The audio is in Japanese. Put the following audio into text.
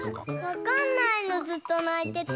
わかんないのずっとないてて。